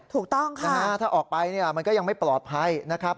ถูกต้องค่ะถ้าออกไปมันก็ยังไม่ปลอดภัยนะครับ